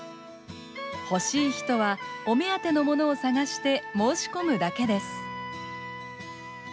欲しい人はお目当てのものを探して申し込むだけです。